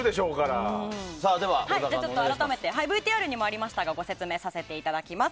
ＶＴＲにもありましたがご説明させていただきます。